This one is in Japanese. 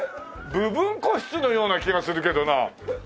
部分個室のような気がするけどな。